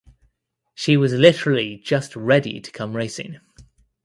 She was literally just ready to come racing.